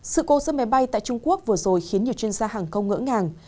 sự cố giữa máy bay tại trung quốc vừa rồi khiến nhiều chuyên gia hàng không ngỡ ngàng